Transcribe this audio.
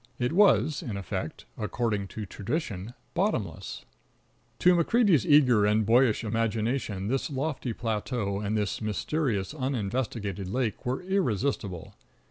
It was, in effect, according to tradition, bottomless. To MacCreedy's eager and boyish imagination this lofty plateau and this mysterious uninvestigated lake were irresistible.